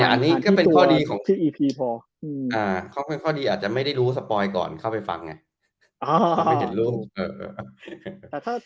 อันนี้ก็เป็นข้อดีอาจจะไม่ได้รู้สปอยก่อนเข้าไปฟังไง